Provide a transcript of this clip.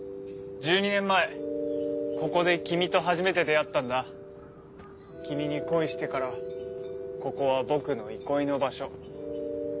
１２年前ここで君と初めて出会ったんだ君に恋してからここは僕の憩いの場所